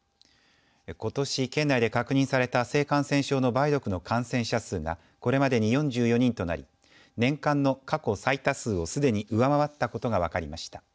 ことし県内で確認された性感染症の梅毒の感染者数がこれまでに４４人となり年間の過去最多数をすでに上回ったことが分かりました。